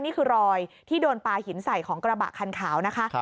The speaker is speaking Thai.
นี่คือรอยที่โดนปลาหินใส่ของกระบะคันขาวนะคะ